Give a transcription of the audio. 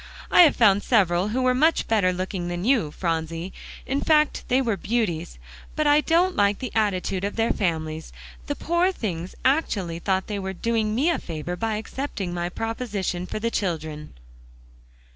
I have found several who were much better looking than you, Phronsie; in fact, they were beauties; but I don't like the attitude of their families. The poor things actually thought they were doing me a favor by accepting my proposition for the children."